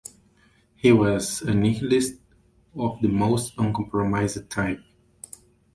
He was a Nihilist of the most uncompromising type.